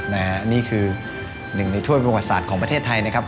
นี่คือหนึ่งในถ้วยประวัติศาสตร์ของประเทศไทยนะครับ